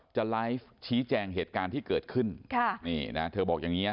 จะไลฟ์ชี้แจงเหตุการณ์ที่เกิดขึ้นค่ะนี่นะเธอบอกอย่างเงี้